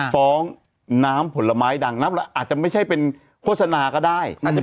ฟ้องน้ำผลไม้ดังน้ำอาจจะไม่ใช่เป็นโฆษณาก็ได้